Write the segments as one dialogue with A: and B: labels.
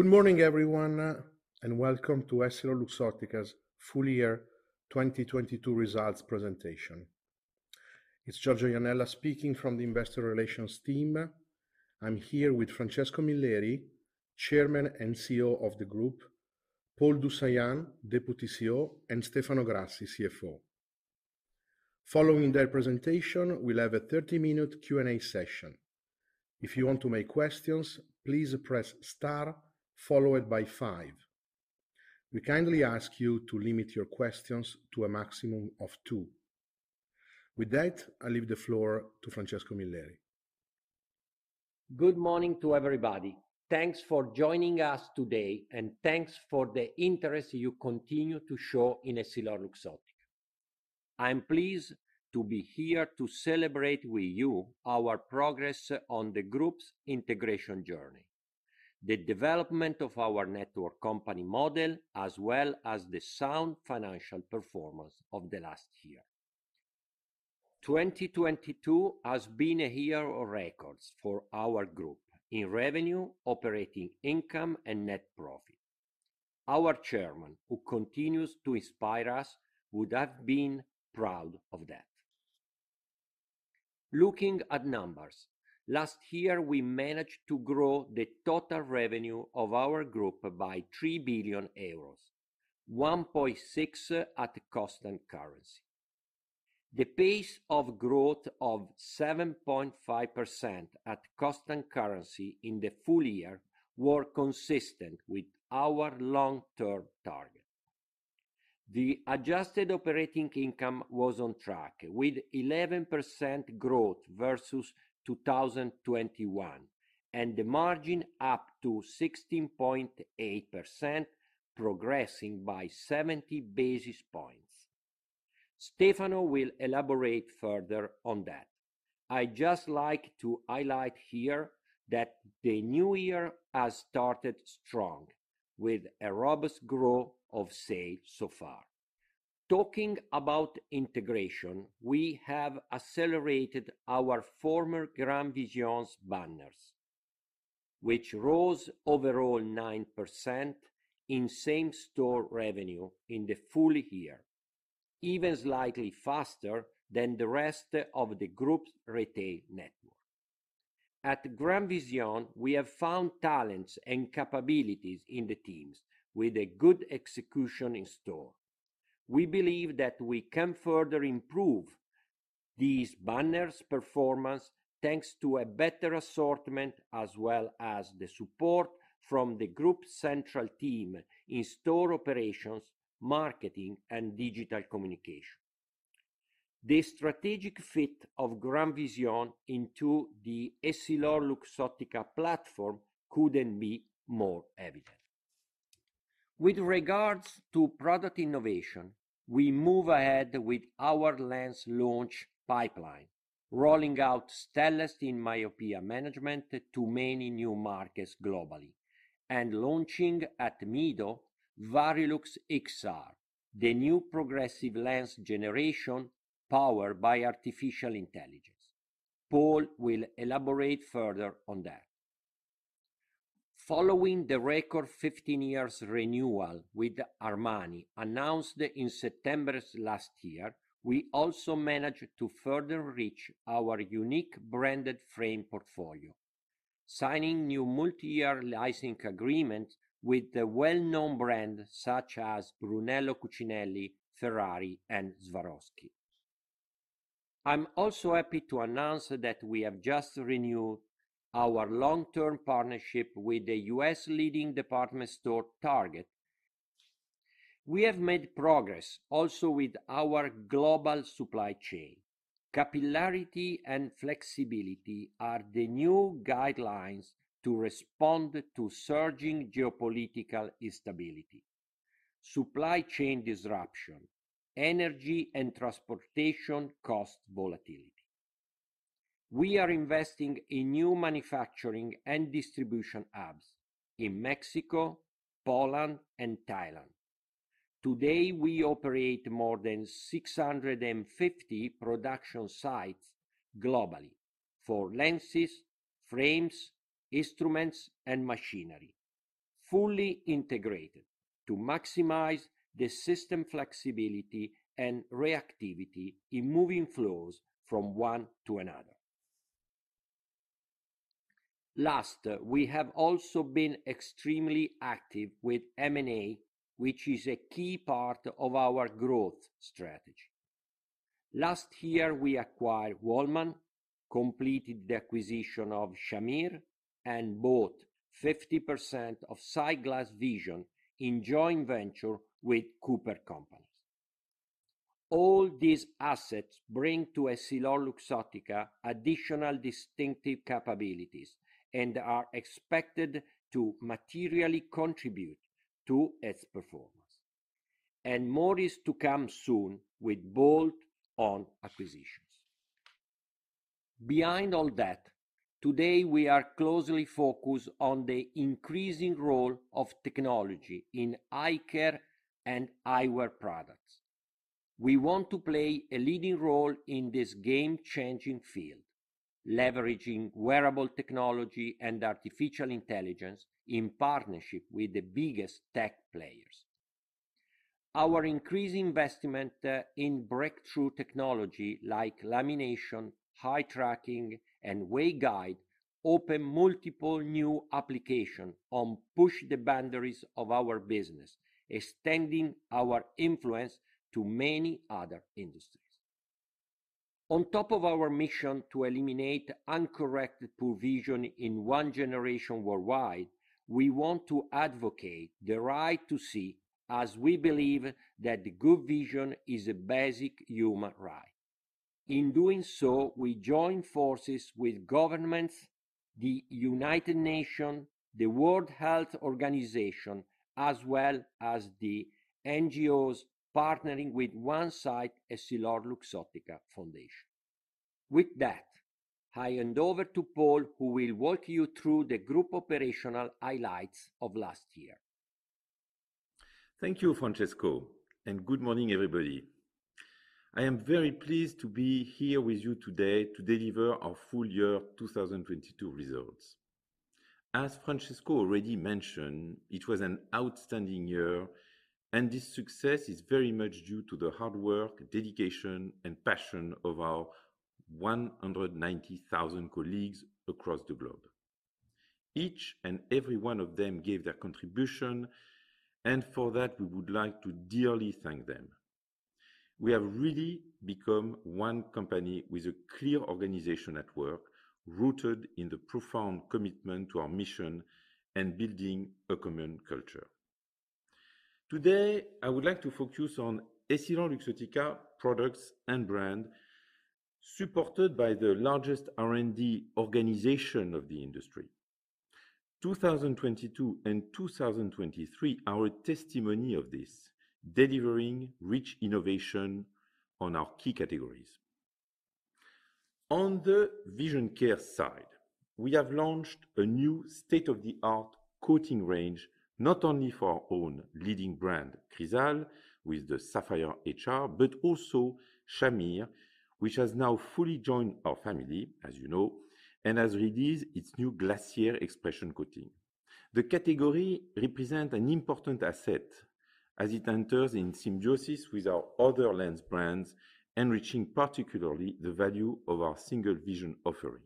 A: Good morning, everyone, and welcome to EssilorLuxottica's Full Year 2022 Results Presentation. It's Giorgio Iannella speaking from the Investor Relations team. I'm here with Francesco Milleri, Chairman and CEO of the group, Paul Du Saillant, Deputy CEO, and Stefano Grassi, CFO. Following their presentation, we'll have a 30-minute Q&A session. If you want to make questions, please press star followed by five. We kindly ask you to limit your questions to a maximum of two. With that, I leave the floor to Francesco Milleri.
B: Good morning to everybody. Thanks for joining us today, thanks for the interest you continue to show in EssilorLuxottica. I am pleased to be here to celebrate with you our progress on the group's integration journey, the development of our network company model, as well as the sound financial performance of the last year. 2022 has been a year of records for our group in revenue, operating income, and net profit. Our chairman, who continues to inspire us, would have been proud of that. Looking at numbers, last year we managed to grow the total revenue of our group by 3 billion euros, 1.6 billion at constant currency. The pace of growth of 7.5% at constant currency in the full year were consistent with our long-term target. The adjusted operating income was on track with 11% growth versus 2021, the margin up to 16.8%, progressing by 70 basis points. Stefano will elaborate further on that. I'd just like to highlight here that the new year has started strong with a robust growth of sales so far. Talking about integration, we have accelerated our former GrandVision's banners, which rose overall 9% in same-store revenue in the full year, even slightly faster than the rest of the group's retail network. At GrandVision, we have found talents and capabilities in the teams with a good execution in store. We believe that we can further improve these banner's performance, thanks to a better assortment as well as the support from the group central team in store operations, marketing, and digital communication. The strategic fit of GrandVision into the EssilorLuxottica platform couldn't be more evident. With regards to product innovation, we move ahead with our lens launch pipeline, rolling out Stellest in myopia management to many new markets globally and launching at Mido Varilux XR, the new progressive lens generation powered by artificial intelligence. Paul will elaborate further on that. Following the record 15 years renewal with Armani announced in September last year, we also managed to further reach our unique branded frame portfolio, signing new multi-year licensing agreement with a well-known brand such as Brunello Cucinelli, Ferrari, and Swarovski. I'm also happy to announce that we have just renewed our long-term partnership with the U.S. leading department store, Target. We have made progress also with our global supply chain. Capillarity and flexibility are the new guidelines to respond to surging geopolitical instability, supply chain disruption, energy and transportation cost volatility. We are investing in new manufacturing and distribution hubs in Mexico, Poland, and Thailand. Today, we operate more than 650 production sites globally for lenses, frames, instruments, and machinery, fully integrated to maximize the system flexibility and reactivity in moving flows from one to another. We have also been extremely active with M&A, which is a key part of our growth strategy. Last year, we acquired Walman, completed the acquisition of Shamir, and bought 50% of Sight Glass Vision in joint venture with CooperCompanies. All these assets bring to EssilorLuxottica additional distinctive capabilities and are expected to materially contribute to its performance, and more is to come soon with bolt-on acquisitions. Behind all that, today we are closely focused on the increasing role of technology in eye care and eyewear products. We want to play a leading role in this game-changing field, leveraging wearable technology and artificial intelligence in partnership with the biggest tech players. Our increased investment in breakthrough technology like lamination, eye tracking, and waveguide open multiple new application and push the boundaries of our business, extending our influence to many other industries. On top of our mission to eliminate uncorrected poor vision in one generation worldwide, we want to advocate the right to see as we believe that good vision is a basic human right. In doing so, we join forces with governments, the United Nations, the World Health Organization, as well as the NGOs partnering with OneSight EssilorLuxottica Foundation. With that, I hand over to Paul, who will walk you through the group operational highlights of last year.
C: Thank you, Francesco. Good morning, everybody. I am very pleased to be here with you today to deliver our full year 2022 results. As Francesco already mentioned, it was an outstanding year, and this success is very much due to the hard work, dedication, and passion of our 190,000 colleagues across the globe. Each and every one of them gave their contribution, and for that, we would like to dearly thank them. We have really become one company with a clear organization at work, rooted in the profound commitment to our mission and building a common culture. Today, I would like to focus on EssilorLuxottica products and brand, supported by the largest R&D organization of the industry. 2022 and 2023 are a testimony of this, delivering rich innovation on our key categories. On the vision care side, we have launched a new state-of-the-art coating range, not only for our own leading brand, Crizal, with the Sapphire HR, but also Shamir, which has now fully joined our family, as you know, and has released its new Glacier Expression coating. The category represent an important asset as it enters in symbiosis with our other lens brands, enriching particularly the value of our single vision offering.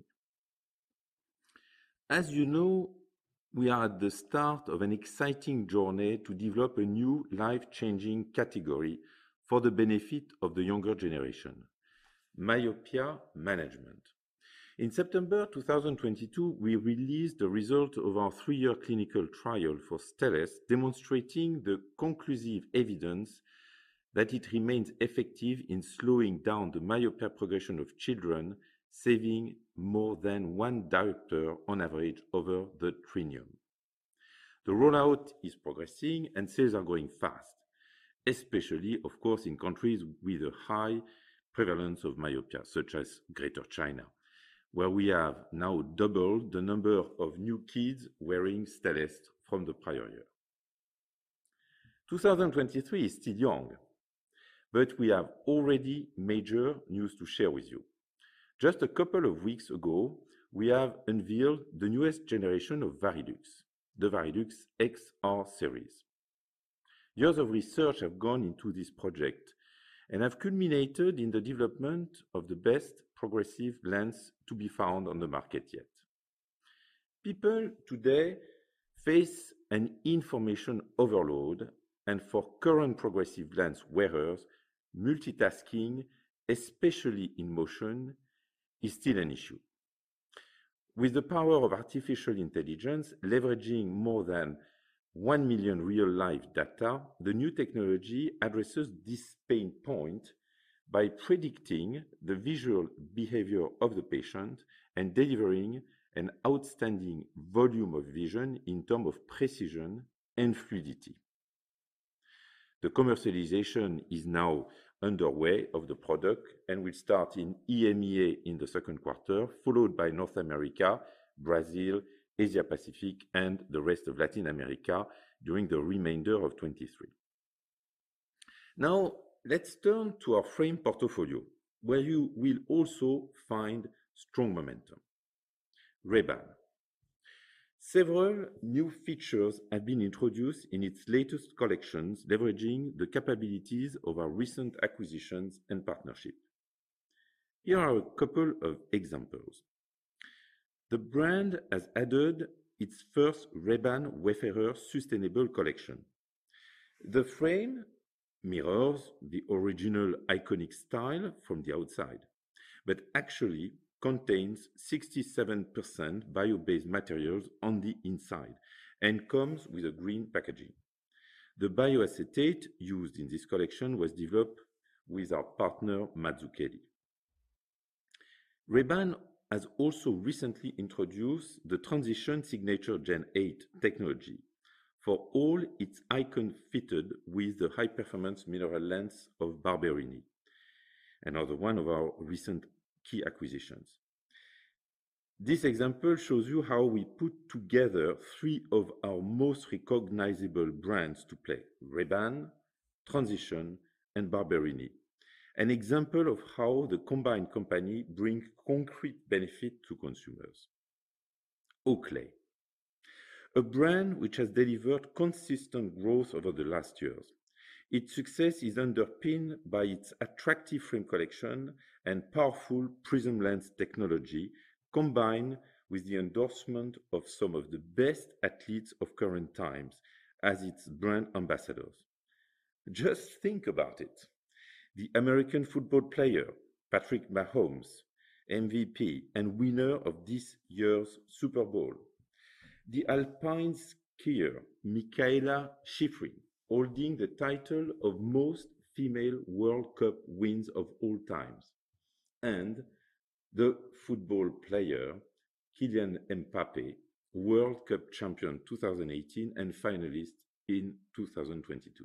C: As you know, we are at the start of an exciting journey to develop a new life-changing category for the benefit of the younger generation, myopia management. In September 2022, we released the result of our three-year clinical trial for Stellest, demonstrating the conclusive evidence that it remains effective in slowing down the myopia progression of children, saving more than one diopter on average over the trinium. The rollout is progressing and sales are going fast, especially of course, in countries with a high prevalence of myopia, such as Greater China, where we have now doubled the number of new kids wearing Stellest from the prior year. 2023 is still young. We have already major news to share with you. Just a couple of weeks ago, we have unveiled the newest generation of Varilux, the Varilux XR series. Years of research have gone into this project and have culminated in the development of the best progressive lens to be found on the market yet. People today face an information overload. For current progressive lens wearers, multitasking, especially in motion, is still an issue. With the power of artificial intelligence, leveraging more than 1 million real-life data, the new technology addresses this pain point by predicting the visual behavior of the patient and delivering an outstanding volume of vision in term of precision and fluidity. The commercialization is now underway of the product and will start in EMEA in the second quarter, followed by North America, Brazil, Asia-Pacific, and the rest of Latin America during the remainder of 2023. Now, let's turn to our frame portfolio, where you will also find strong momentum. Ray-Ban. Several new features have been introduced in its latest collections, leveraging the capabilities of our recent acquisitions and partnership. Here are a couple of examples. The brand has added its first Ray-Ban Wayfarer sustainable collection. The frame mirrors the original iconic style from the outside, but actually contains 67% bio-based materials on the inside and comes with a green packaging. The bio-acetate used in this collection was developed with our partner, Mazzucchelli. Ray-Ban has also recently introduced the Transitions Signature GEN 8 technology for all its icon fitted with the high-performance mineral lens of Barberini. Another one of our recent key acquisitions. This example shows you how we put together three of our most recognizable brands to play, Ray-Ban, Transitions, and Barberini. An example of how the combined company bring concrete benefit to consumers. Oakley, a brand which has delivered consistent growth over the last years. Its success is underpinned by its attractive frame collection and powerful Prizm lens technology, combined with the endorsement of some of the best athletes of current times as its brand ambassadors. Just think about it. The American football player, Patrick Mahomes, MVP and winner of this year's Super Bowl. The Alpine skier, Mikaela Shiffrin, holding the title of most female World Cup wins of all times. The football player, Kylian Mbappé, World Cup champion 2018, and finalist in 2022.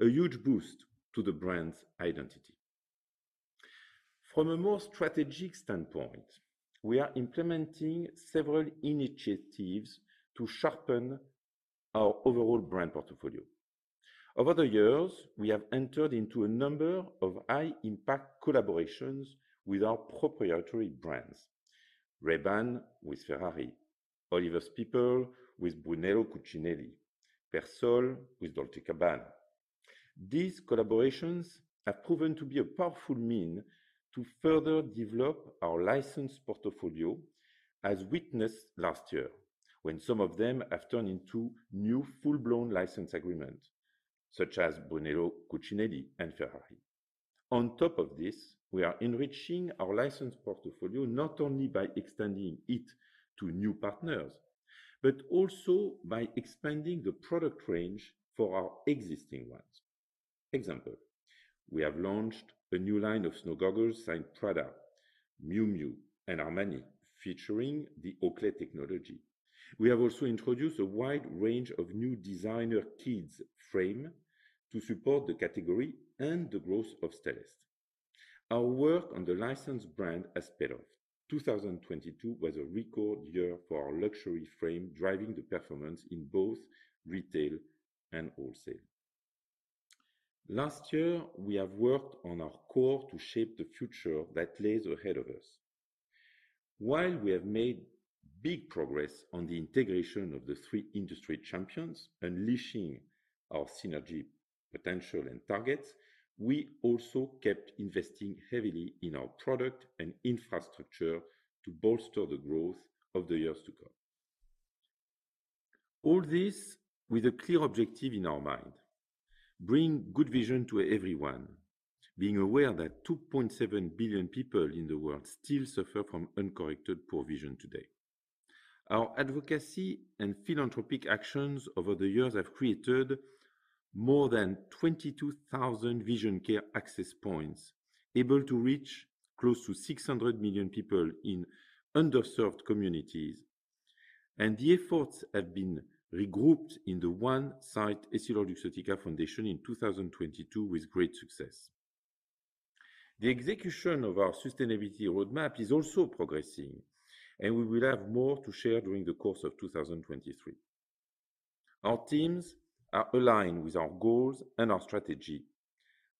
C: A huge boost to the brand's identity. From a more strategic standpoint, we are implementing several initiatives to sharpen our overall brand portfolio. Over the years, we have entered into a number of high impact collaborations with our proprietary brands, Ray-Ban with Ferrari, Oliver Peoples with Brunello Cucinelli, Persol with Dolce & Gabbana. These collaborations have proven to be a powerful mean to further develop our license portfolio, as witnessed last year when some of them have turned into new full-blown license agreement, such as Brunello Cucinelli and Ferrari. On top of this, we are enriching our license portfolio not only by extending it to new partners, but also by expanding the product range for our existing ones. Example, we have launched a new line of snow goggles signed Prada, Miu Miu, and Armani, featuring the Oakley technology. We have also introduced a wide range of new designer kids frame to support the category and the growth of Stellest. Our work on the license brand has paid off. 2022 was a record year for our luxury frame, driving the performance in both retail and wholesale. Last year, we have worked on our core to shape the future that lays ahead of us. We have made big progress on the integration of the three industry champions, unleashing our synergy potential and targets, we also kept investing heavily in our product and infrastructure to bolster the growth of the years to come. All this with a clear objective in our mind, bring good vision to everyone. Being aware that 2.7 billion people in the world still suffer from uncorrected poor vision today. Our advocacy and philanthropic actions over the years have created more than 22,000 vision care access points, able to reach close to 600 million people in underserved communities. The efforts have been regrouped in the OneSight EssilorLuxottica Foundation in 2022 with great success. The execution of our sustainability roadmap is also progressing, and we will have more to share during the course of 2023. Our teams are aligned with our goals and our strategy,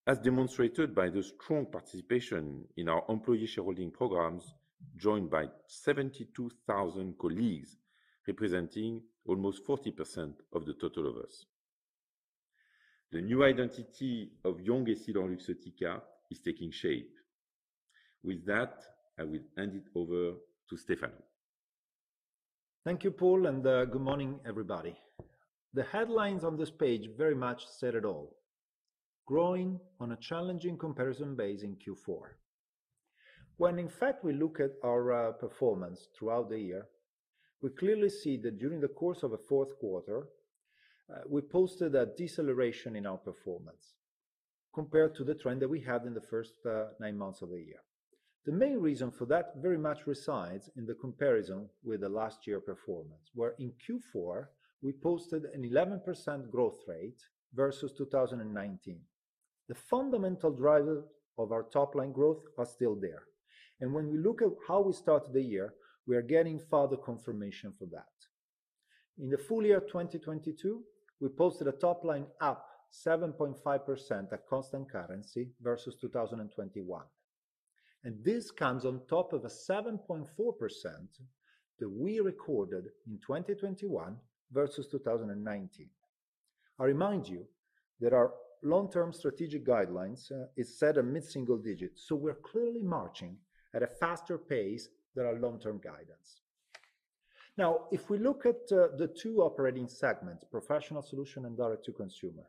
C: as demonstrated by the strong participation in our employee shareholding programs, joined by 72,000 colleagues, representing almost 40% of the total of us. The new identity of young EssilorLuxottica is taking shape. With that, I will hand it over to Stefano.
D: Thank you, Paul, and good morning, everybody. The headlines on this page very much said it all. Growing on a challenging comparison base in Q4. When in fact we look at our performance throughout the year, we clearly see that during the course of the fourth quarter, we posted a deceleration in our performance compared to the trend that we had in the first nine months of the year. The main reason for that very much resides in the comparison with the last year performance, where in Q4 we posted an 11% growth rate versus 2019. The fundamental driver of our top line growth are still there. When we look at how we started the year, we are getting further confirmation for that. In the full year 2022, we posted a top line up 7.5% at constant currency versus 2021. This comes on top of a 7.4% that we recorded in 2021 versus 2019. I remind you that our long-term strategic guidelines is set at mid-single digits. We're clearly marching at a faster pace than our long-term guidance. Now, if we look at the two operating segments, Professional Solutions and direct-to-consumer.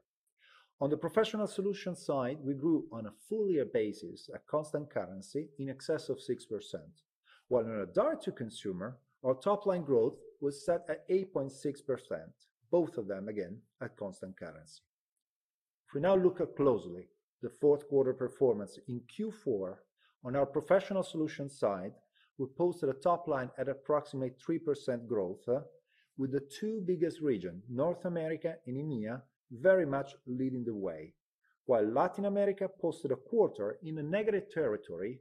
D: On the Professional Solutions side, we grew on a full year basis at constant currency in excess of 6%. While on a direct-to-consumer, our top line growth was set at 8.6%, both of them again at constant currency. If we now look at closely the fourth quarter performance, in Q4, on our Professional Solutions side, we posted a top line at approximately 3% growth, with the two biggest region, North America and EMEA, very much leading the way, while Latin America posted a quarter in a negative territory.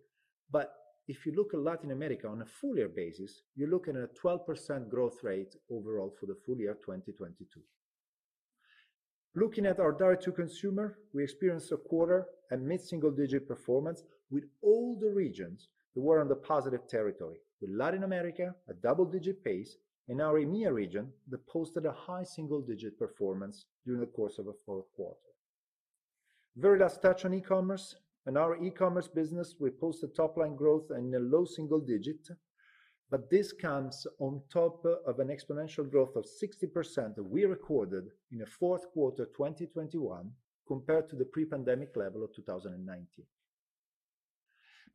D: If you look at Latin America on a full year basis, you're looking at a 12% growth rate overall for the full year 2022. Looking at our direct-to-consumer, we experienced a quarter at mid-single digit performance with all the regions that were on the positive territory, with Latin America, a double-digit pace, and our EMEA region that posted a high single digit performance during the course of a fourth quarter. Very last touch on e-commerce. In our e-commerce business, we posted top-line growth in the low single-digit, this comes on top of an exponential growth of 60% that we recorded in the fourth quarter 2021, compared to the pre-pandemic level of 2019.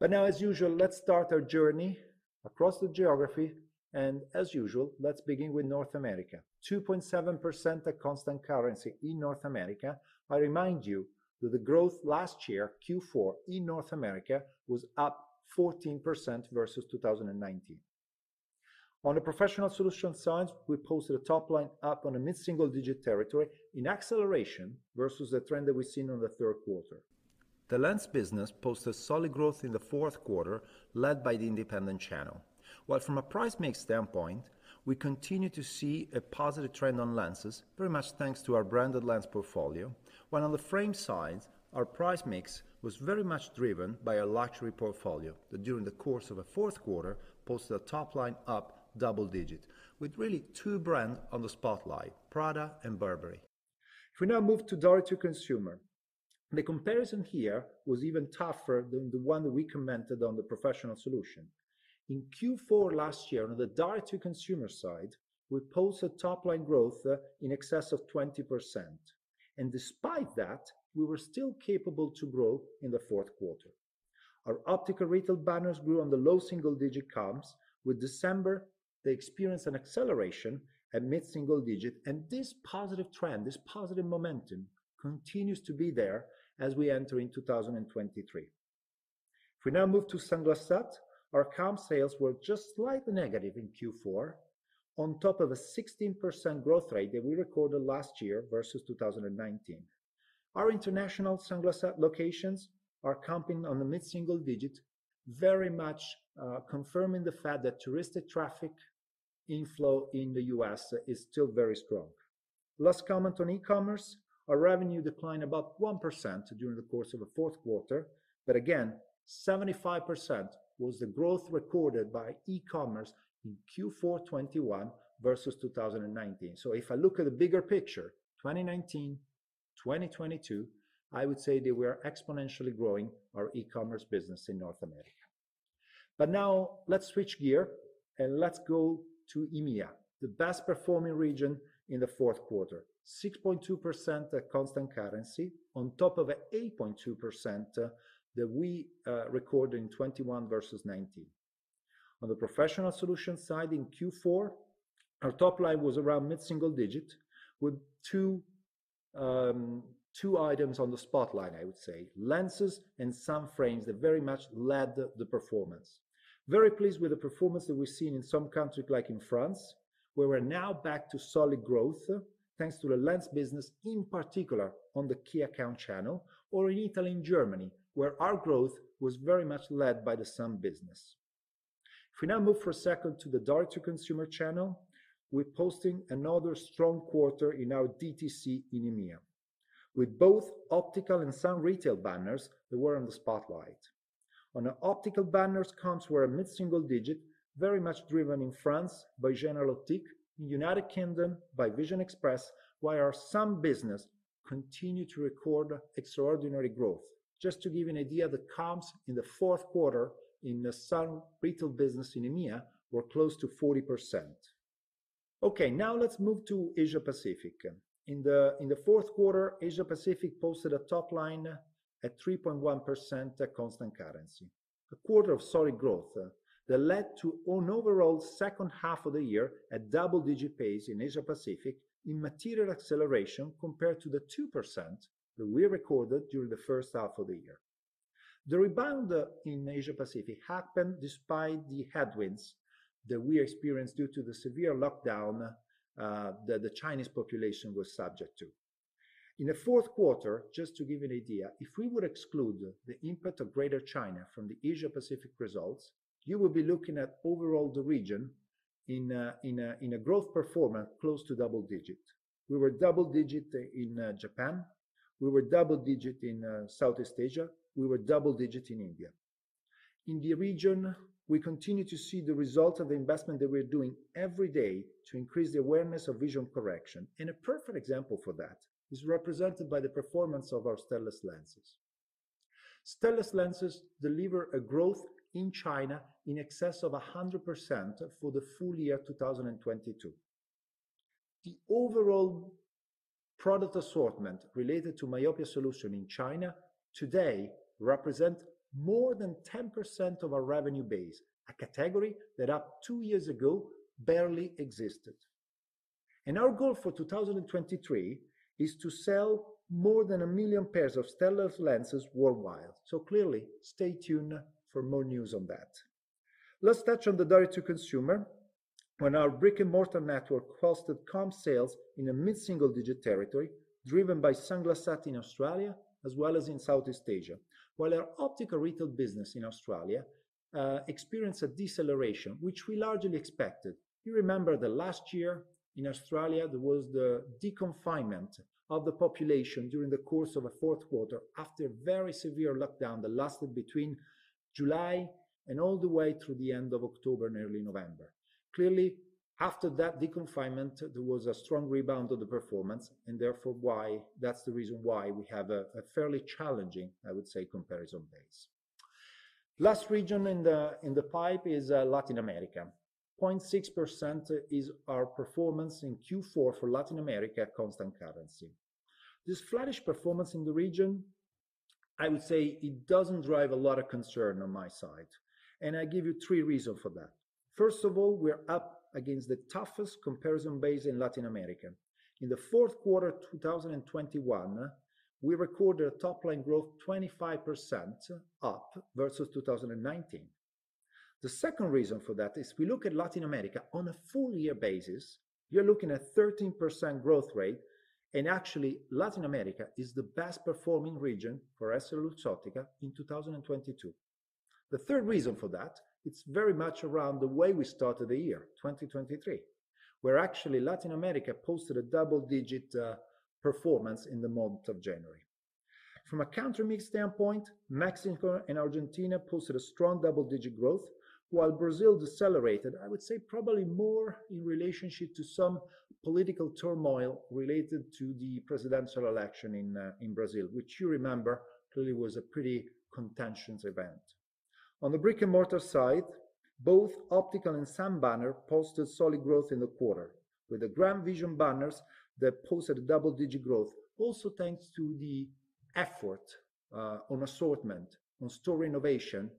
D: Now, as usual, let's start our journey across the geography, as usual, let's begin with North America. 2.7% at constant currency in North America. I remind you that the growth last year, Q4, in North America was up 14% versus 2019. On the Professional Solutions side, we posted a top-line up on a mid-single-digit territory in acceleration versus the trend that we've seen on the third quarter. The lens business posted solid growth in the fourth quarter, led by the independent channel. From a price mix standpoint, we continue to see a positive trend on lenses, very much thanks to our branded lens portfolio. On the frame side, our price mix was very much driven by our luxury portfolio that during the course of a fourth quarter, posted a top-line up double-digit with really two brand on the spotlight, Prada and Burberry. We now move to direct-to-consumer. The comparison here was even tougher than the one we commented on the Professional Solutions. In Q4 last year, on the direct-to-consumer side, we posted top-line growth in excess of 20%. Despite that, we were still capable to grow in the fourth quarter. Our optical retail banners grew on the low single-digit comps. With December, they experienced an acceleration at mid-single-digit, and this positive trend, this positive momentum continues to be there as we enter in 2023. If we now move to Sunglass Hut, our comp sales were just slightly negative in Q4 on top of a 16% growth rate that we recorded last year versus 2019. Our international Sunglass Hut locations are comping on the mid-single-digit, very much confirming the fact that touristic traffic inflow in the U.S. is still very strong. Last comment on e-commerce, our revenue declined about 1% during the course of a fourth quarter, but again, 75% was the growth recorded by e-commerce in Q4 2021 versus 2019. If I look at the bigger picture, 2019, 2022, I would say that we are exponentially growing our e-commerce business in North America. Now let's switch gear and let's go to EMEA, the best performing region in the fourth quarter. 6.2% at constant currency on top of a 8.2% that we recorded in 2021 versus 2019. On the Professional Solutions side in Q4, our top line was around mid-single digit with two items on the spotlight, I would say, lenses and some frames that very much led the performance. Very pleased with the performance that we've seen in some countries, like in France, where we're now back to solid growth, thanks to the lens business, in particular on the key account channel or in Italy and Germany, where our growth was very much led by the sun business. If we now move for a second to the direct-to-consumer channel, we're posting another strong quarter in our DTC in EMEA, with both optical and sun retail banners that were on the spotlight. On our optical banners comps were a mid-single digit, very much driven in France by Générale d'Optique, in United Kingdom by Vision Express, while our sun business continued to record extraordinary growth. Just to give you an idea, the comps in the fourth quarter in the sun retail business in EMEA were close to 40%. Now let's move to Asia Pacific. In the fourth quarter, Asia Pacific posted a top line at 3.1% at constant currency. A quarter of solid growth that led to an overall second half of the year at double-digit pace in Asia Pacific in material acceleration compared to the 2% that we recorded during the first half of the year. The rebound in Asia Pacific happened despite the headwinds that we experienced due to the severe lockdown that the Chinese population was subject to. In the fourth quarter, just to give you an idea, if we would exclude the input of Greater China from the Asia Pacific results, you will be looking at overall the region in a growth performance close to double-digit. We were double-digit in Japan. We were double-digit in Southeast Asia. We were double-digit in India. In the region, we continue to see the result of the investment that we're doing every day to increase the awareness of vision correction, and a perfect example for that is represented by the performance of our Stellest lenses. Stellest lenses deliver a growth in China in excess of 100% for the full year 2022. The overall product assortment related to myopia solution in China today represent more than 10% of our revenue base, a category that up two years ago barely existed. Our goal for 2023 is to sell more than 1 million pairs of Stellest lenses worldwide. Clearly, stay tuned for more news on that. Let's touch on the direct-to-consumer. When our brick-and-mortar network hosted comp sales in a mid-single digit territory, driven by Sunglass Hut in Australia as well as in Southeast Asia, while our optical retail business in Australia experienced a deceleration, which we largely expected. You remember that last year in Australia, there was the deconfinement of the population during the course of a fourth quarter after a very severe lockdown that lasted between July and all the way through the end of October and early November. Clearly, after that deconfinement, there was a strong rebound of the performance, and therefore that's the reason why we have a fairly challenging, I would say, comparison base. Last region in the pipe is Latin America. 0.6% is our performance in Q4 for Latin America at constant currency. This flattish performance in the region, I would say it doesn't drive a lot of concern on my side. I give you three reasons for that. First of all, we're up against the toughest comparison base in Latin America. In the fourth quarter 2021, we recorded a top-line growth 25% up versus 2019. The second reason for that is we look at Latin America on a full year basis, you're looking at 13% growth rate. Actually, Latin America is the best performing region for EssilorLuxottica in 2022. The third reason for that, it's very much around the way we started the year, 2023, where actually Latin America posted a double-digit performance in the month of January. From a country mix standpoint, Mexico and Argentina posted a strong double-digit growth while Brazil decelerated, I would say probably more in relationship to some political turmoil related to the presidential election in Brazil, which you remember clearly was a pretty contentious event. On the brick-and-mortar side, both optical and sun banner posted solid growth in the quarter with the GrandVision banners that posted a double-digit growth. Also, thanks to the effort on assortment, on store innovation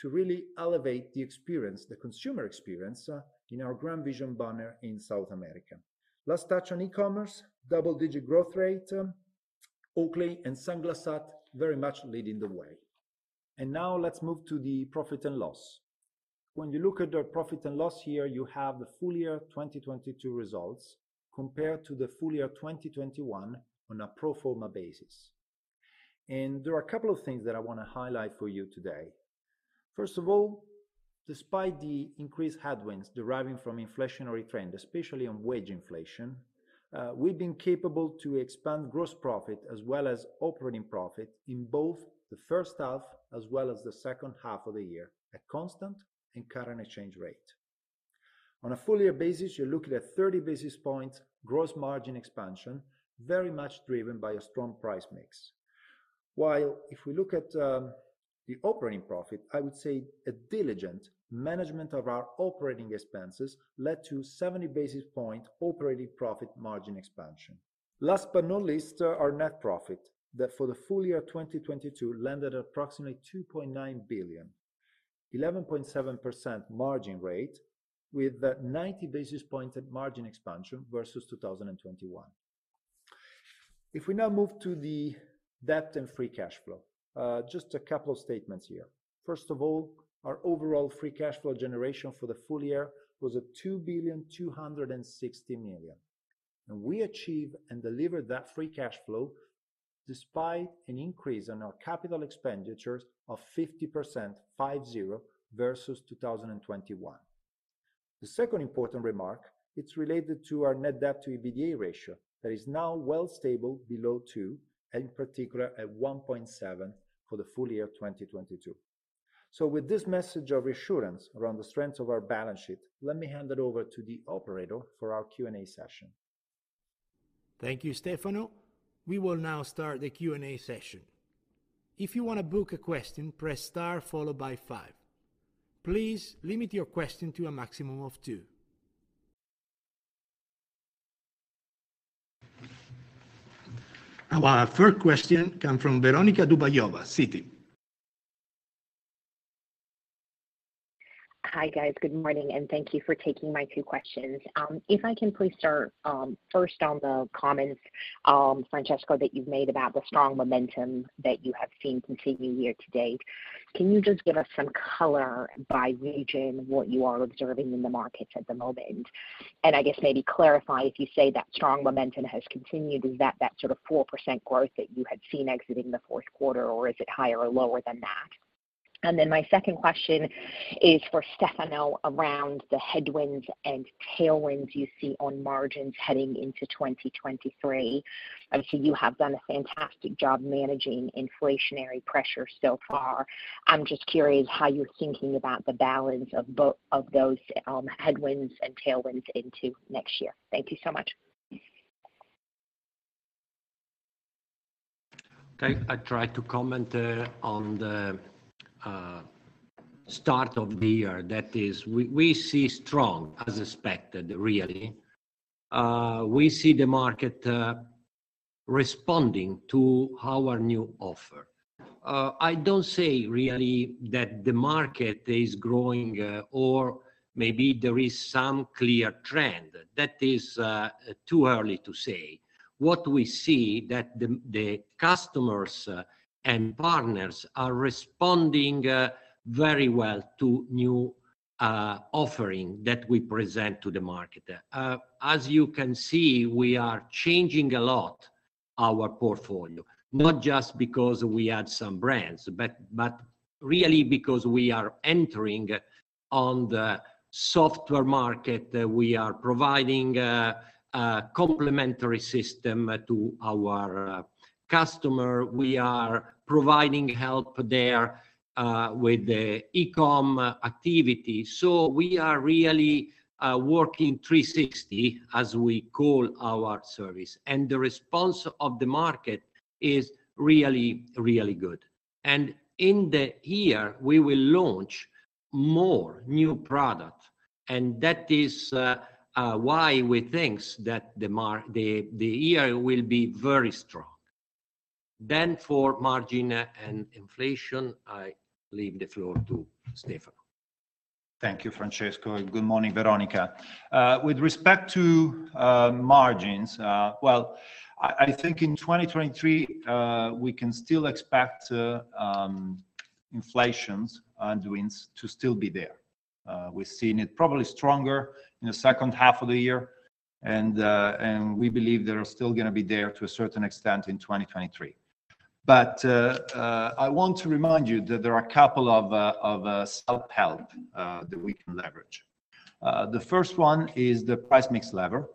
D: to really elevate the experience, the consumer experience in our GrandVision banner in South America. Last touch on e-commerce, double-digit growth rate, Oakley and Sunglass Hut very much leading the way. Now let's move to the profit and loss. When you look at our profit and loss here, you have the full year 2022 results compared to the full year 2021 on a pro forma basis. There are a couple of things that I want to highlight for you today. First of all, despite the increased headwinds deriving from inflationary trend, especially on wage inflation, we've been capable to expand gross profit as well as operating profit in both the first half as well as the second half of the year at constant and current exchange rate. On a full year basis, you're looking at 30 basis points gross margin expansion, very much driven by a strong price mix. If we look at the operating profit, I would say a diligent management of our operating expenses led to 70 basis point operating profit margin expansion. Last but not least, our net profit that for the full year 2022 landed at approximately 2.9 billion, 11.7% margin rate with 90 basis points at margin expansion versus 2021. If we now move to the debt and free cash flow, just a couple of statements here. First of all, our overall free cash flow generation for the full year was at 2.26 billion. We achieved and delivered that free cash flow despite an increase in our capital expenditures of 50%, 50%, versus 2021. The second important remark, it's related to our net debt to EBITDA ratio that is now well stable below 2%, and in particular at 1.7% for the full year of 2022. With this message of reassurance around the strength of our balance sheet, let me hand it over to the operator for our Q&A session.
E: Thank you, Stefano. We will now start the Q&A session. If you want to book a question, press star followed by five. Please limit your question to a maximum of two. Our third question come from Veronika Dubajova, Citi.
F: Hi, guys. Good morning, and thank you for taking my two questions. If I can please start, first on the comments, Francesco, that you've made about the strong momentum that you have seen continuing year to date. Can you just give us some color by region, what you are observing in the markets at the moment? I guess maybe clarify, if you say that strong momentum has continued, is that that sort of 4% growth that you had seen exiting the fourth quarter, or is it higher or lower than that? My second question is for Stefano around the headwinds and tailwinds you see on margins heading into 2023. Obviously, you have done a fantastic job managing inflationary pressure so far. I'm just curious how you're thinking about the balance of those, headwinds and tailwinds into next year. Thank you so much.
B: Okay. I try to comment on the start of the year. That is we see strong as expected, really. We see the market. Responding to our new offer. I don't say really that the market is growing, or maybe there is some clear trend. That is too early to say. What we see that the customers and partners are responding very well to new offering that we present to the market. As you can see, we are changing a lot our portfolio, not just because we add some brands, but really because we are entering on the software market. We are providing a complimentary system to our customer. We are providing help there with the e-com activity. We are really working 360, as we call our service. The response of the market is really, really good. In the year, we will launch more new product, and that is why we think that the year will be very strong. For margin and inflation, I leave the floor to Stefano.
D: Thank you, Francesco. Good morning, Veronika. With respect to margins, well, I think in 2023, we can still expect inflations and winds to still be there. We've seen it probably stronger in the second half of the year. We believe they are still gonna be there to a certain extent in 2023. I want to remind you that there are a couple of self-help that we can leverage. The first one is the price mix lever.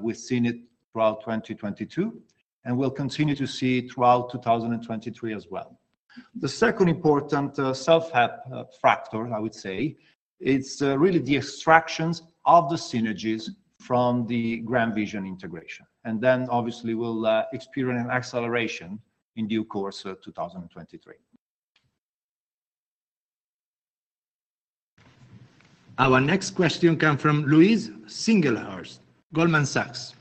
D: We've seen it throughout 2022, and we'll continue to see it throughout 2023 as well. The second important self-help factor, I would say, it's really the extractions of the synergies from the GrandVision integration. Obviously we'll experience an acceleration in due course of 2023.
E: Our next question come from Louise Singlehurst, Goldman Sachs.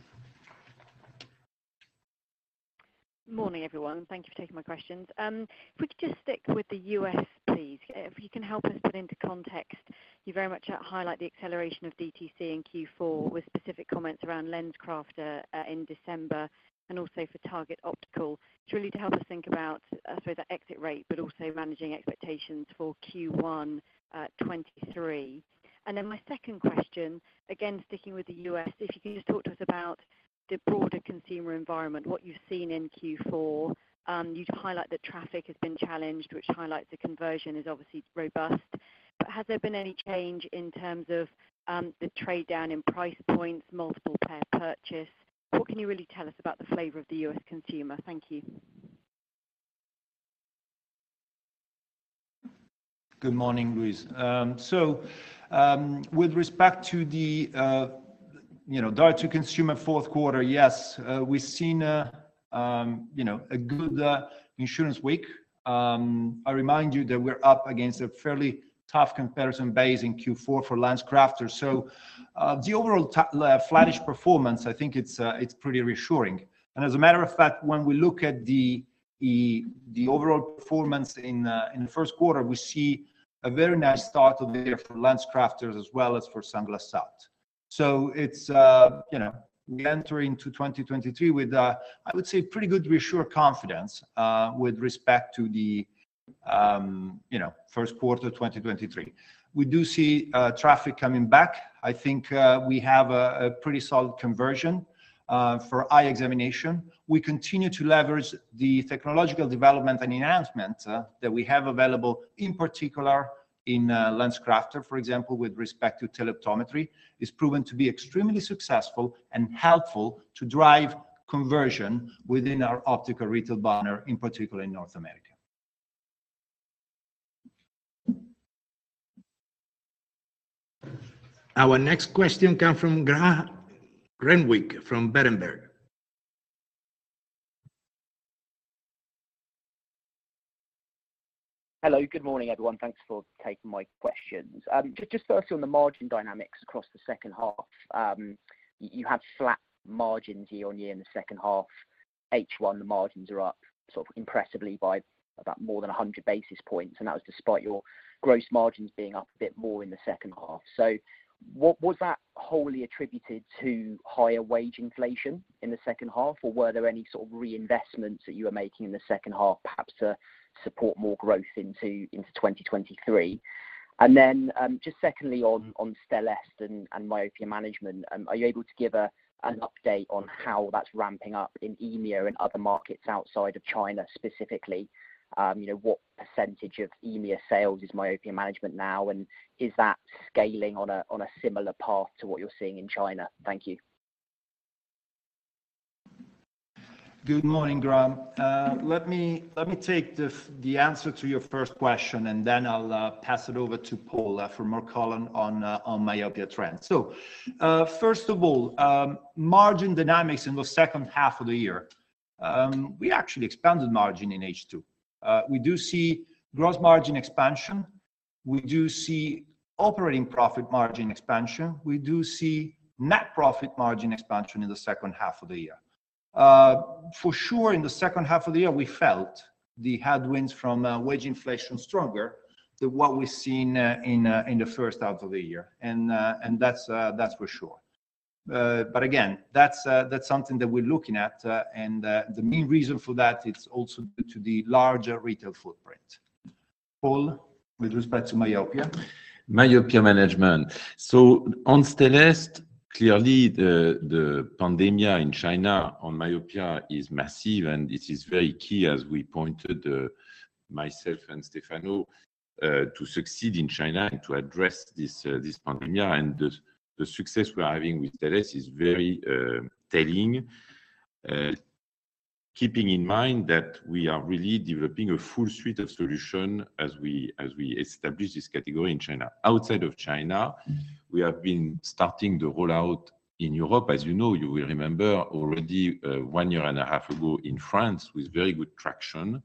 G: Morning, everyone. Thank you for taking my questions. If we could just stick with the U.S., please. If you can help us put into context, you very much highlight the acceleration of DTC in Q4 with specific comments around LensCrafters in December and also for Target Optical. It's really to help us think about sort of the exit rate, but also managing expectations for Q1 2023. My second question, again, sticking with the U.S., if you can just talk to us about the broader consumer environment, what you've seen in Q4. You highlight that traffic has been challenged, which highlights the conversion is obviously robust. Has there been any change in terms of the trade down in price points, multiple pair purchase? What can you really tell us about the flavor of the U.S. consumer? Thank you.
D: Good morning, Louise. With respect to the, you know, direct-to-consumer fourth quarter, yes, we've seen, you know, a good insurance week. I remind you that we're up against a fairly tough comparison base in Q4 for LensCrafters. The overall flattish performance, I think it's pretty reassuring. As a matter of fact, when we look at the overall performance in the first quarter, we see a very nice start of the year for LensCrafters as well as for Sunglass Hut. It's, you know, we enter into 2023 with, I would say, pretty good reassured confidence, with respect to the, you know, first quarter 2023. We do see traffic coming back. I think we have a pretty solid conversion for eye examination. We continue to leverage the technological development and enhancement that we have available, in particular in LensCrafters, for example, with respect to tele-optometry. It's proven to be extremely successful and helpful to drive conversion within our optical retail banner, in particular in North America.
E: Our next question come from Graham Renwick from Berenberg.
H: Hello. Good morning, everyone. Thanks for taking my questions. Just firstly on the margin dynamics across the second half. You had flat margins year-on-year in the second half. H1, the margins are up sort of impressively by about more than 100 basis points. That was despite your gross margins being up a bit more in the second half. What was that wholly attributed to higher wage inflation in the second half, or were there any sort of reinvestments that you were making in the second half, perhaps to support more growth into 2023? Just secondly on Stellest and myopia management, are you able to give an update on how that's ramping up in EMEA and other markets outside of China specifically? You know, what percentage of EMEA sales is myopia management now, and is that scaling on a similar path to what you're seeing in China? Thank you.
D: Good morning, Graham. Let me take the answer to your first question, then I'll pass it over to Paul for more color on myopia trends. First of all, margin dynamics in the second half of the year, we actually expanded margin in H2. We do see gross margin expansion. We do see operating profit margin expansion. We do see net profit margin expansion in the second half of the year. For sure, in the second half of the year, we felt the headwinds from wage inflation stronger than what we've seen in the first half of the year. That's for sure. Again, that's something that we're looking at. The main reason for that, it's also due to the larger retail footprint. Paul, with respect to myopia.
C: Myopia management. On Stellest, clearly the pandemia in China on myopia is massive, and it is very key, as we pointed myself and Stefano, to succeed in China and to address this pandemia. The success we're having with Stellest is very telling. Keeping in mind that we are really developing a full suite of solution as we establish this category in China. Outside of China, we have been starting the rollout in Europe. As you know, you will remember already one year and a half ago in France with very good traction,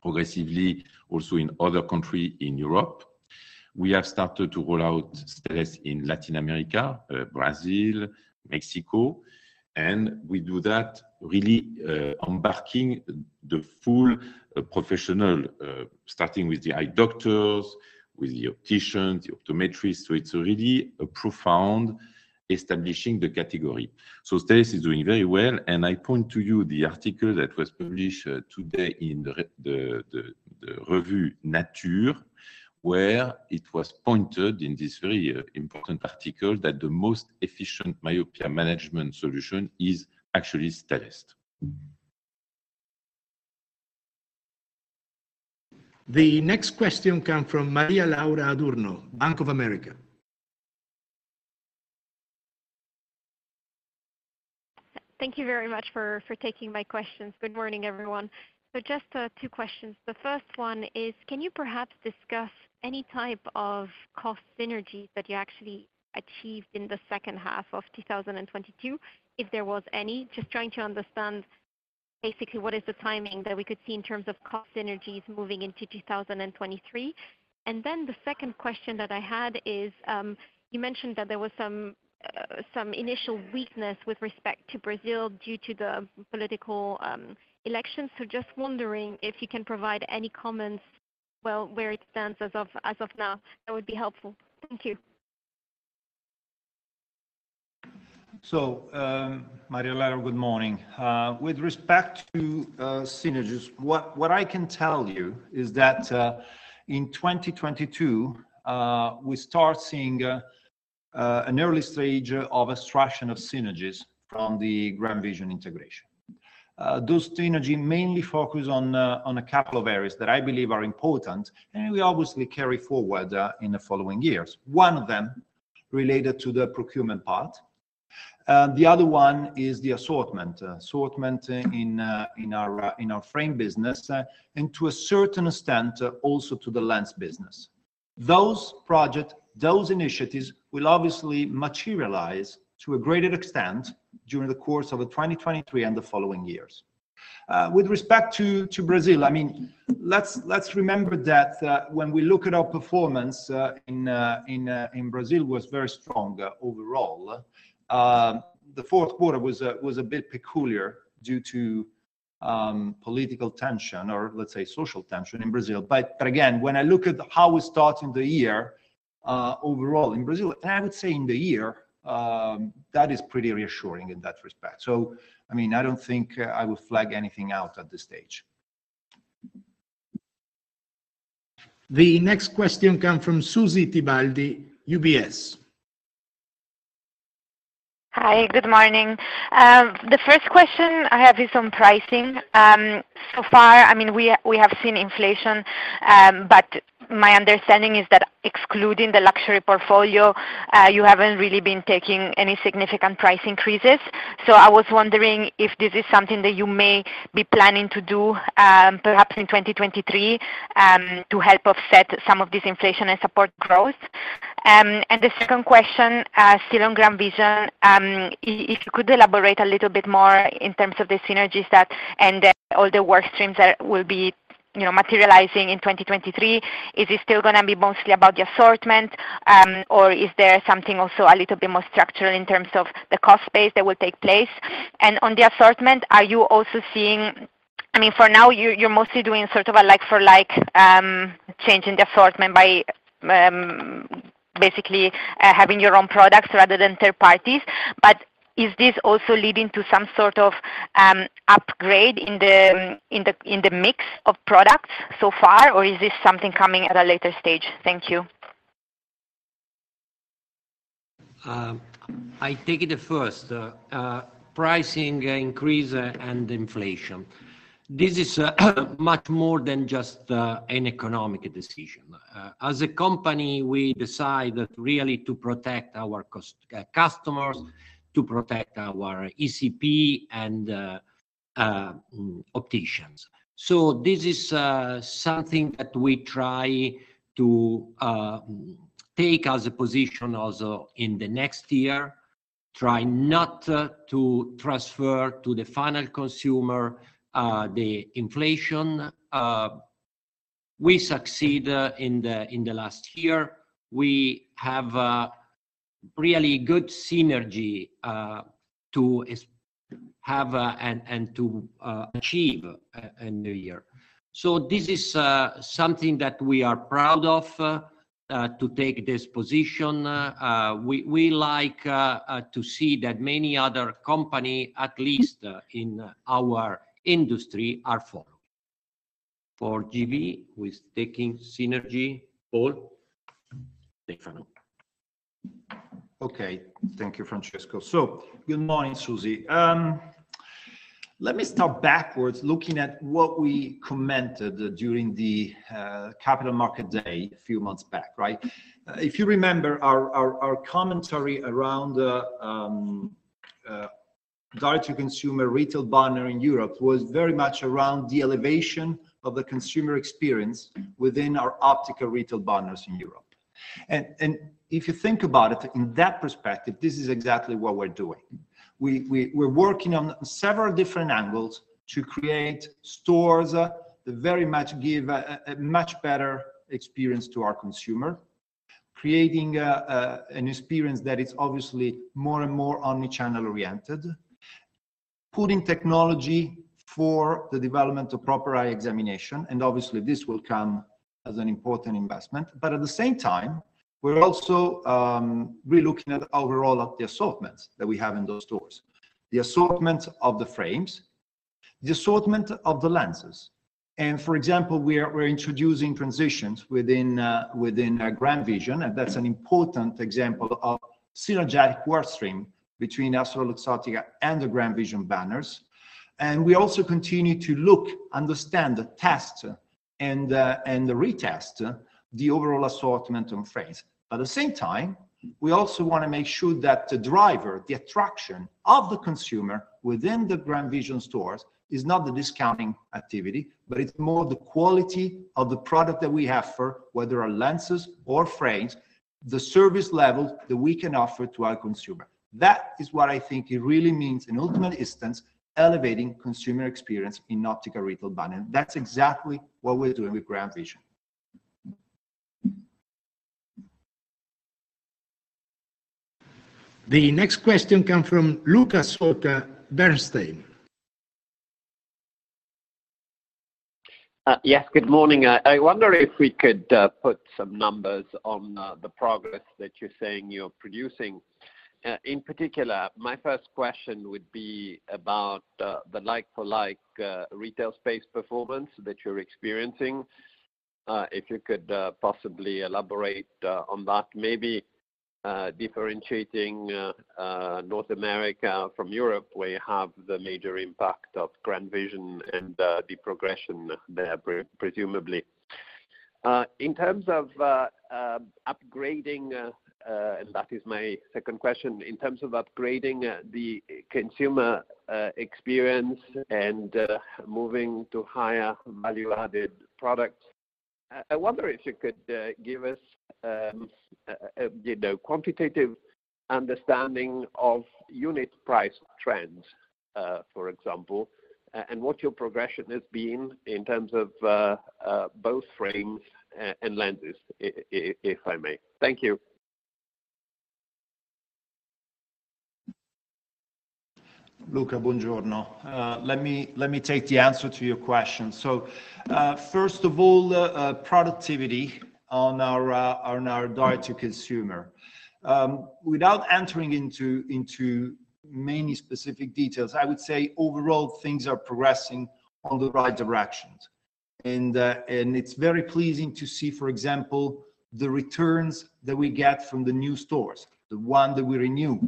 C: progressively also in other country in Europe. We have started to roll out Stellest in Latin America, Brazil, Mexico, and we do that really embarking the full professional starting with the eye doctors, with the opticians, the optometrists. It's really a profound establishing the category. Stellest is doing very well, and I point to you the article that was published today in the revue Nature, where it was pointed in this very important article that the most efficient myopia management solution is actually Stellest.
E: The next question come from Maria Laura Adurno, Bank of America.
I: Thank you very much for taking my questions. Good morning, everyone. Just two questions. The first one is, can you perhaps discuss any type of cost synergies that you actually achieved in the second half of 2022, if there was any? Just trying to understand basically what is the timing that we could see in terms of cost synergies moving into 2023. The second question that I had is, you mentioned that there was some initial weakness with respect to Brazil due to the political elections. Just wondering if you can provide any comments, well, where it stands as of now. That would be helpful. Thank you.
D: Maria Laura, good morning. With respect to synergies, what I can tell you is that in 2022, we start seeing an early stage of extraction of synergies from the GrandVision integration. Those synergy mainly focus on a couple of areas that I believe are important, and we obviously carry forward in the following years. One of them related to the procurement part. The other one is the assortment in our in our frame business, and to a certain extent, also to the lens business. Those project, those initiatives will obviously materialize to a greater extent during the course of 2023 and the following years. With respect to Brazil, I mean, let's remember that when we look at our performance in Brazil was very strong overall. The fourth quarter was a bit peculiar due to political tension or let's say social tension in Brazil. Again, when I look at how we started the year overall in Brazil, I would say in the year, that is pretty reassuring in that respect. I mean, I don't think I would flag anything out at this stage.
E: The next question come from Susy Tibaldi, UBS.
J: Hi. Good morning. The first question I have is on pricing. So far, I mean, we have seen inflation, but my understanding is that excluding the luxury portfolio, you haven't really been taking any significant price increases. I was wondering if this is something that you may be planning to do, perhaps in 2023, to help offset some of this inflation and support growth. The second question, still on GrandVision, if you could elaborate a little bit more in terms of the synergies that and the, all the work streams that will be, you know, materializing in 2023. Is it still gonna be mostly about the assortment, or is there something also a little bit more structural in terms of the cost base that will take place? On the assortment, are you also seeing. I mean, for now, you're mostly doing sort of a like for like change in the assortment by basically having your own products rather than third parties. Is this also leading to some sort of upgrade in the mix of products so far, or is this something coming at a later stage? Thank you.
B: I take it first. Pricing increase and inflation. This is much more than just an economic decision. As a company, we decide that really to protect our customers, to protect our ECP and opticians. This is something that we try to take as a position also in the next year. Try not to transfer to the final consumer, the inflation. We succeed in the last year. We have a really good synergy to have and to achieve in the year. This is something that we are proud of to take this position. We like to see that many other company, at least in our industry, are following. For GV who is taking synergy, Paul, take it from here.
C: Okay. Thank you, Francesco. Good morning, Susy. Let me start backwards looking at what we commented during the Capital Market Day a few months back, right? If you remember our commentary around direct-to-consumer retail banner in Europe was very much around the elevation of the consumer experience within our optical retail banners in Europe. If you think about it in that perspective, this is exactly what we're doing. We're working on several different angles to create stores that very much give a much better experience to our consumer, creating an experience that is obviously more and more omni-channel oriented, putting technology for the development of proper eye examination, and obviously this will come as an important investment. At the same time, we're also really looking at overall the assortments that we have in those stores, the assortment of the frames, the assortment of the lenses. For example, we're introducing Transitions within within our GrandVision, and that's an important example of synergetic work stream between EssilorLuxottica and the GrandVision banners. We also continue to look, understand, test and retest the overall assortment and frames. At the same time, we also wanna make sure that the driver, the attraction of the consumer within the GrandVision stores is not the discounting activity, but it's more the quality of the product that we offer, whether are lenses or frames, the service level that we can offer to our consumer. That is what I think it really means in ultimate instance, elevating consumer experience in optical retail banner. That's exactly what we're doing with GrandVision.
E: The next question comes from Luca Solca, Bernstein.
K: Yes, good morning. I wonder if we could put some numbers on the progress that you're saying you're producing. In particular, my first question would be about the like-for-like retail space performance that you're experiencing. If you could possibly elaborate on that, maybe differentiating North America from Europe, where you have the major impact of GrandVision and the progression there presumably. In terms of upgrading, and that is my second question, in terms of upgrading the consumer experience and moving to higher value-added products, I wonder if you could give us, you know, quantitative understanding of unit price trends, for example, and what your progression has been in terms of both frames and lenses if I may. Thank you.
D: Luca, buongiorno. Let me take the answer to your question. First of all, productivity on our, on our direct-to-consumer. Without entering into many specific details, I would say overall things are progressing on the right directions. It's very pleasing to see, for example, the returns that we get from the new stores, the one that we renew.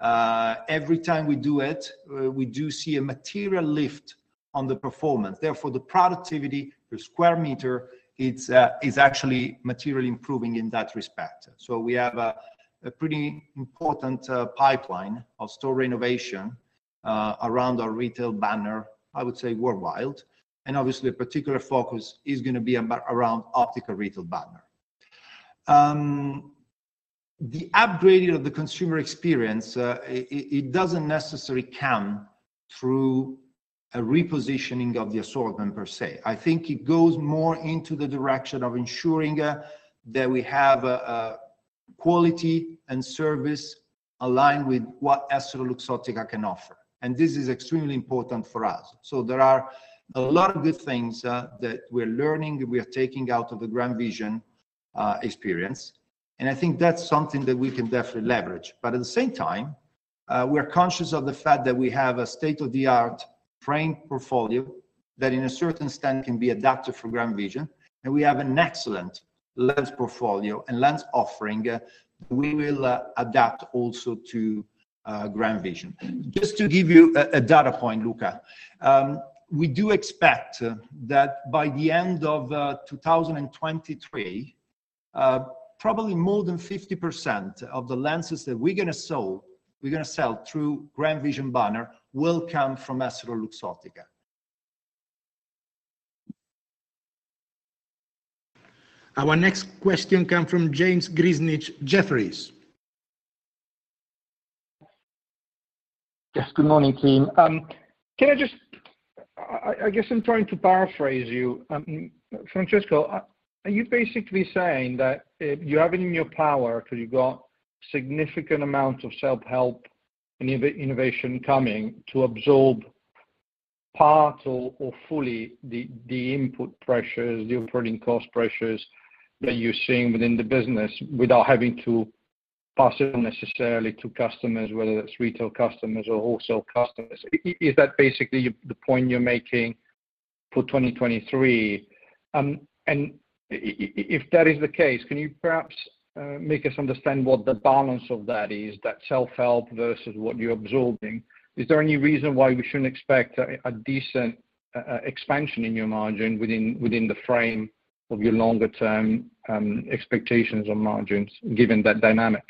D: Every time we do it, we do see a material lift on the performance. Therefore, the productivity per square meter is actually materially improving in that respect. We have a pretty important pipeline of store renovation around our retail banner, I would say worldwide, and obviously a particular focus is gonna be around optical retail banner. The upgrading of the consumer experience, it doesn't necessarily come through a repositioning of the assortment per se. I think it goes more into the direction of ensuring that we have a quality and service aligned with what EssilorLuxottica can offer, and this is extremely important for us. There are a lot of good things that we're learning, that we are taking out of the GrandVision experience, and I think that's something that we can definitely leverage. At the same time, we are conscious of the fact that we have a state-of-the-art frame portfolio that in a certain extent can be adapted for GrandVision, and we have an excellent lens portfolio and lens offering, we will adapt also to GrandVision. Just to give you a data point, Luca, we do expect that by the end of 2023, probably more than 50% of the lenses that we're gonna sell through GrandVision banner will come from EssilorLuxottica.
E: Our next question come from James Grzinic, Jefferies.
L: Yes. Good morning, team. Can I just I guess I'm trying to paraphrase you, Francesco. Are you basically saying that you have it in your power cause you've got significant amount of self-help innovation coming to absorb part or fully the input pressures, the operating cost pressures that you're seeing within the business without having to pass it on necessarily to customers, whether that's retail customers or wholesale customers? Is that basically the point you're making for 2023? If that is the case, can you perhaps make us understand what the balance of that is, that self-help versus what you're absorbing? Is there any reason why we shouldn't expect a decent expansion in your margin within the frame of your longer-term expectations on margins given that dynamic?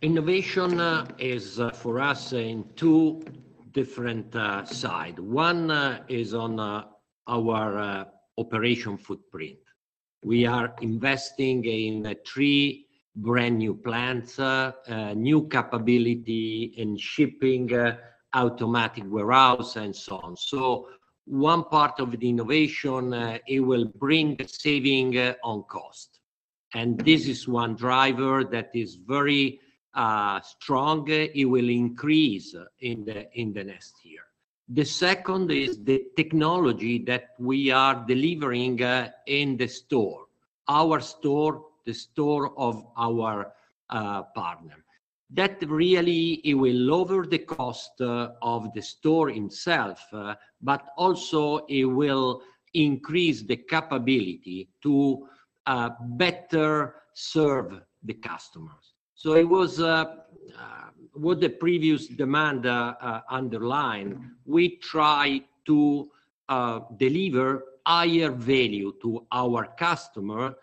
B: Innovation is for us in two different side. One is on our operation footprint. We are investing in three brand-new plants, new capability in shipping, automatic warehouse and so on. One part of the innovation, it will bring saving on cost. This is one driver that is very strong. It will increase in the next year. The second is the technology that we are delivering in the store, our store, the store of our partner. That really it will lower the cost of the store itself, but also it will increase the capability to better serve the customers. It was what the previous demand underlined. We try to deliver higher value to our customer,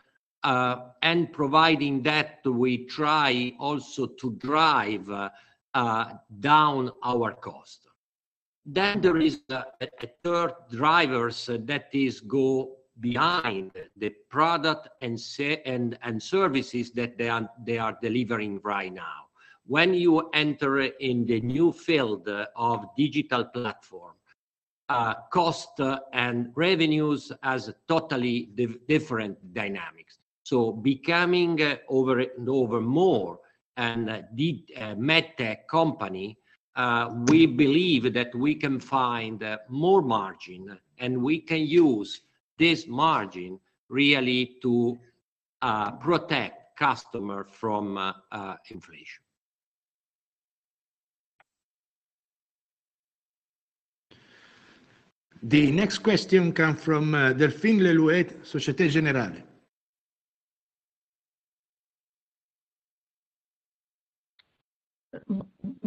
B: and providing that we try also to drive down our cost. There is a third drivers that is go behind the product and services that they are delivering right now. When you enter in the new field of digital platform, cost and revenues as a totally different dynamics. Becoming over and over more and the med-tech company, we believe that we can find more margin, and we can use this margin really to protect customer from inflation.
E: The next question come from Delphine Le Louet, Société Générale.
M: Bonjour à tous.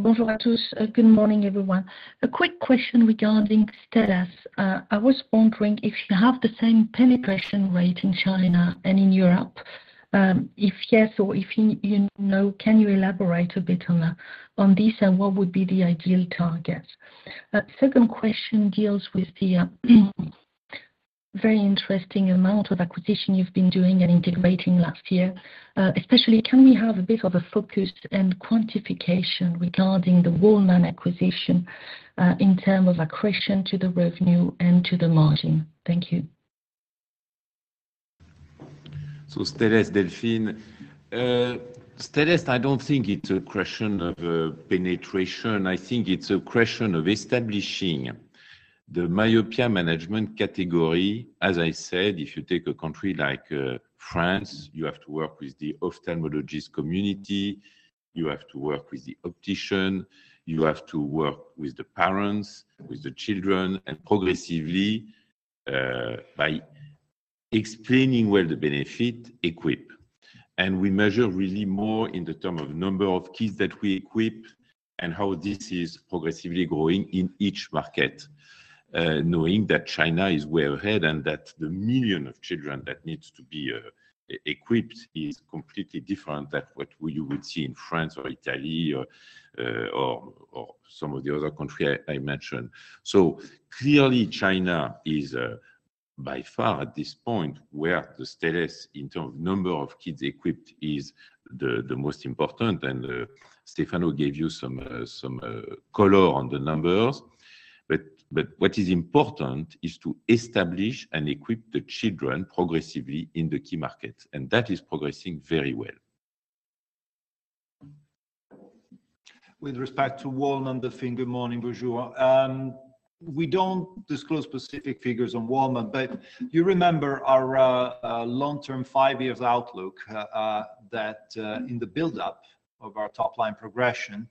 M: Good morning, everyone. A quick question regarding Stellest. I was wondering if you have the same penetration rate in China and in Europe. If yes or if you no, can you elaborate a bit on this and what would be the ideal target? Second question deals with the very interesting amount of acquisition you've been doing and integrating last year. Especially can we have a bit of a focus and quantification regarding the Walman acquisition, in terms of accretion to the revenue and to the margin? Thank you.
C: Stellest, Delphine. Stellest, I don't think it's a question of penetration. I think it's a question of establishing the myopia management category. As I said, if you take a country like France, you have to work with the ophthalmologist community, you have to work with the optician, you have to work with the parents, with the children, and progressively, by explaining well the benefit, equip. We measure really more in the term of number of kids that we equip and how this is progressively growing in each market, knowing that China is way ahead and that the million of children that needs to be equipped is completely different than what you would see in France or Italy or some of the other country I mentioned. Clearly, China is by far at this point where the Stellest in term of number of kids equipped is the most important. Stefano gave you some color on the numbers. What is important is to establish and equip the children progressively in the key markets, and that is progressing very well.
B: With respect to Walman, Delphine, good morning, bonjour. We don't disclose specific figures on Walman. You remember our long-term five years outlook that in the buildup of our top-line progression,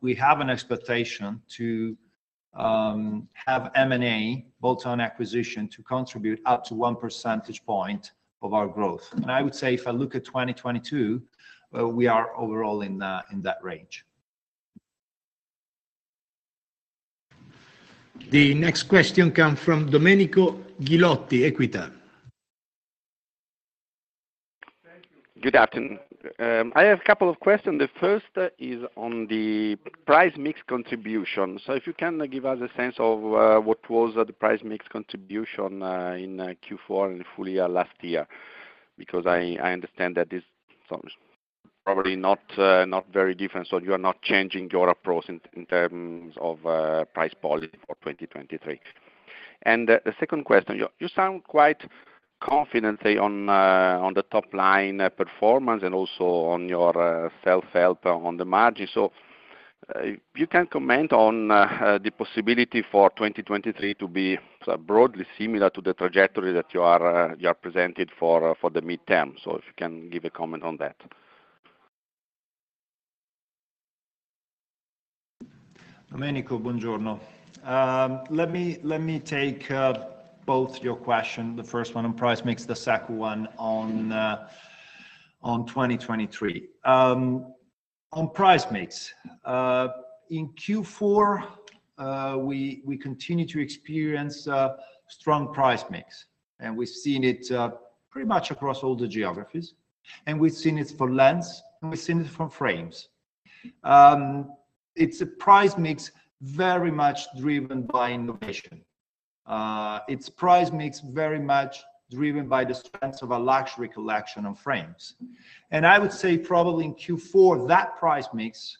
B: we have an expectation to have M&A bolt-on acquisition to contribute up to one percentage point of our growth. I would say if I look at 2022, we are overall in that range.
E: The next question come from Domenico Ghilotti, Equita.
N: Thank you. Good afternoon. I have a couple of question. The first is on the price mix contribution. If you can give us a sense of what was the price mix contribution in Q4 and full year last year, because I understand that this is probably not very different, so you are not changing your approach in terms of price policy for 2023. The second question, you sound quite confident on the top line performance and also on your self-help on the margin. You can comment on the possibility for 2023 to be broadly similar to the trajectory that you are presented for the midterm? If you can give a comment on that.
D: Domenico, buon giorno. Let me take both your question, the first one on price mix, the second one on 2023. On price mix in Q4, we continue to experience a strong price mix, and we've seen it pretty much across all the geographies, and we've seen it for lens, and we've seen it for frames. It's a price mix very much driven by innovation. It's price mix very much driven by the strengths of a luxury collection of frames. I would say probably in Q4, that price mix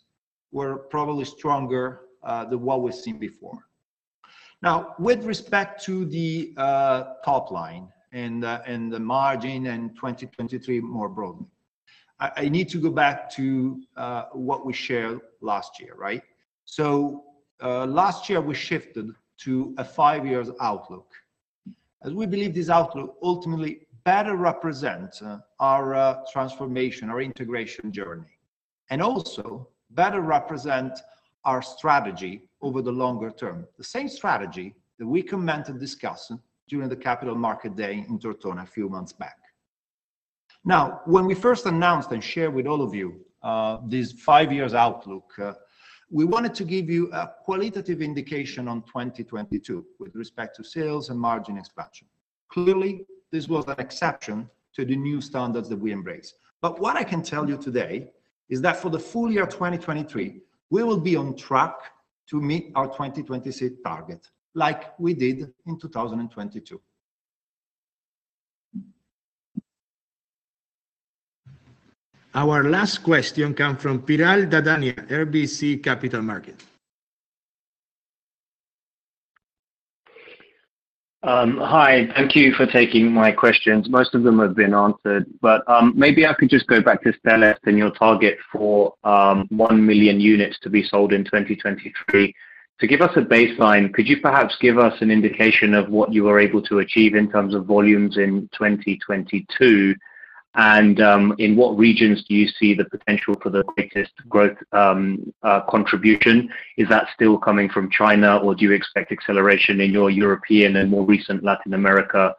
D: were probably stronger than what we've seen before. With respect to the top line and the margin in 2023 more broadly, I need to go back to what we shared last year, right? Last year, we shifted to a five-year outlook, as we believe this outlook ultimately better represent our transformation, our integration journey, and also better represent our strategy over the longer term. The same strategy that we commenced and discussed during the Capital Market Day in Tortona a few months back. When we first announced and shared with all of you, this five-year outlook, we wanted to give you a qualitative indication on 2022 with respect to sales and margin expansion. Clearly, this was an exception to the new standards that we embrace. What I can tell you today is that for the full year 2023, we will be on track to meet our 2026 target, like we did in 2022.
E: Our last question come from Piral Dadhania, RBC Capital Markets.
O: Hi. Thank you for taking my questions. Most of them have been answered, but maybe I could just go back to Stellest and your target for 1 million units to be sold in 2023. To give us a baseline, could you perhaps give us an indication of what you were able to achieve in terms of volumes in 2022? In what regions do you see the potential for the quickest growth contribution? Is that still coming from China, or do you expect acceleration in your European and more recent Latin America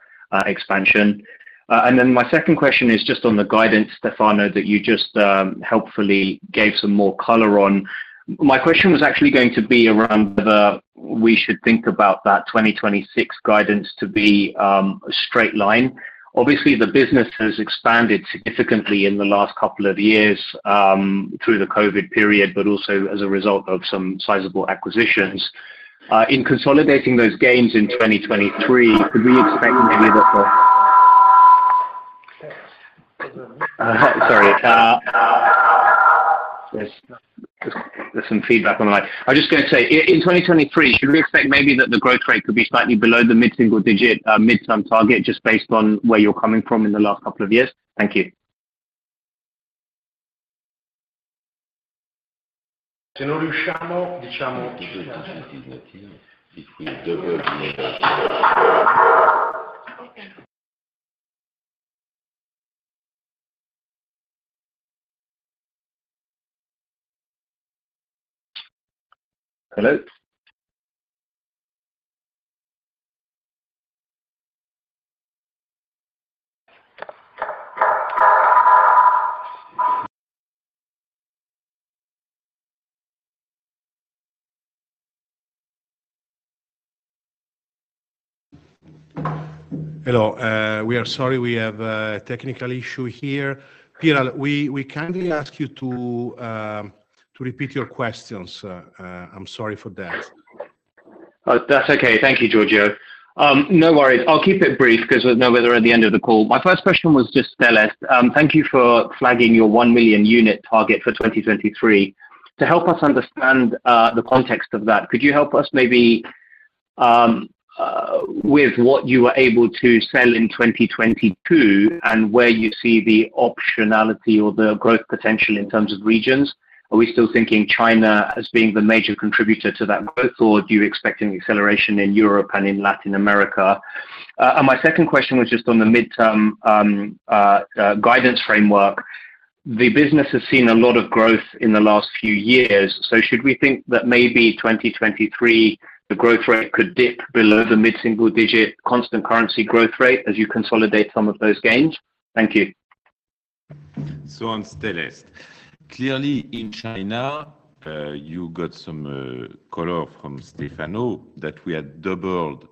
O: expansion? Then my second question is just on the guidance, Stefano, that you just helpfully gave some more color on. My question was actually going to be around whether we should think about that 2026 guidance to be a straight line. Obviously, the business has expanded significantly in the last couple of years, through the COVID period, but also as a result of some sizable acquisitions. There's some feedback on the line. I'm just gonna say, in 2023, should we expect maybe that the growth rate could be slightly below the mid-single digit midterm target, just based on where you're coming from in the last couple of years? Thank you.
C: If we double the number Hello?
D: Hello. We are sorry, we have a technical issue here. Piral, we kindly ask you to repeat your questions. I'm sorry for that.
O: Oh, that's okay. Thank you, Giorgio. No worries. I'll keep it brief because we know we're at the end of the call. My first question was just to Stellest. Thank you for flagging your 1 million unit target for 2023. To help us understand the context of that, could you help us maybe with what you were able to sell in 2022 and where you see the optionality or the growth potential in terms of regions? Are we still thinking China as being the major contributor to that growth, or do you expect an acceleration in Europe and in Latin America? My second question was just on the midterm guidance framework. The business has seen a lot of growth in the last few years. Should we think that maybe 2023, the growth rate could dip below the mid-single digit constant currency growth rate as you consolidate some of those gains? Thank you.
C: On Stellest. Clearly in China, you got some color from Stefano that we had doubled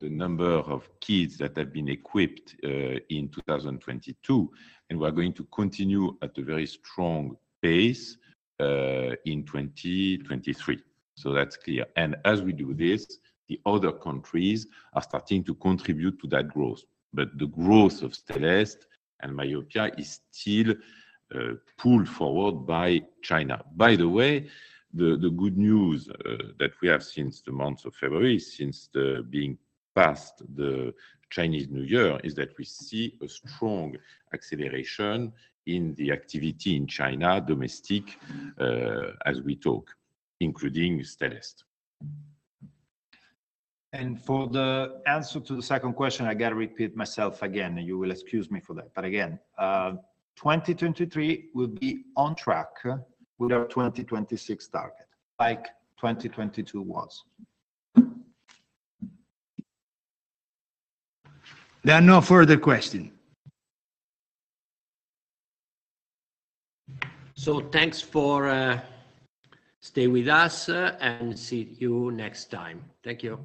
C: the number of kids that have been equipped in 2022, and we're going to continue at a very strong pace in 2023. That's clear. As we do this, the other countries are starting to contribute to that growth. But the growth of Stellest and Myopia is still pulled forward by China. By the way, the good news that we have since the month of February, since being past the Chinese New Year, is that we see a strong acceleration in the activity in China domestic as we talk, including Stellest.
D: For the answer to the second question, I gotta repeat myself again. You will excuse me for that. Again, 2023 will be on track with our 2026 target, like 2022 was.
E: There are no further question.
B: Thanks for stay with us, and see you next time. Thank you.